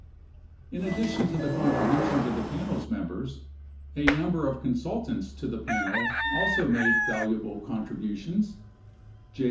In addition to the contributions of the Panel's members, a number of consultants to the Panel also made valuable contributions: J.